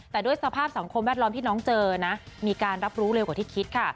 แต่ด้วยสภาพสังคมแวดล้อมที่น้องเจอนะมีการรับรู้เร็วกว่าที่คิดค่ะ